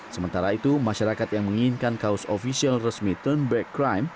sementara itu masyarakat yang menginginkan kaos ofisial resmi turn back crime